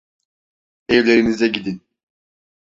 Evlerinize gidin.